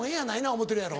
思うてるやろ？